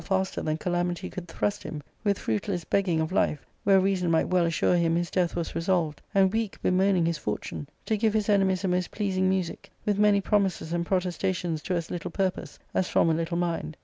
faster than calamity could thrust him, with fruitless begging, of life, where reason might well assure him his death was resolved, and weak bemoaning his fortune, to give his enemies a most pleasing music, with many promises and protestations to as little purpose, as from a little mind.